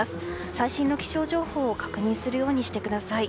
最新の気象情報を確認するようにしてください。